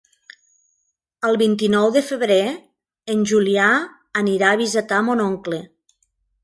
El vint-i-nou de febrer en Julià anirà a visitar mon oncle.